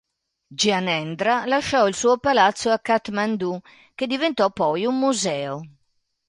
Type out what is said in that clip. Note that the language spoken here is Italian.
Gyanendra lasciò il suo palazzo a Kathmandu che diventò poi un museo.